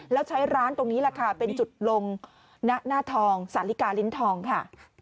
แล้วใช้ร้านตรงนี้แหละค่ะเป็นจุดลงณหน้าทองสาลิกาลิ้นทองค่ะ